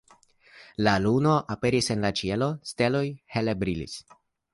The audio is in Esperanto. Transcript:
La luno aperis en la ĉielo, steloj hele brilis.